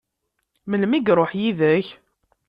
Melmi i iṛuḥ yid-k?